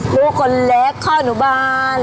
ลูกคนเล็กข้าวหนุบาน